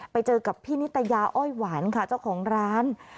ไปเจอกับพี่นิตยาอ้อยหวานค่ะเจ้าของร้าน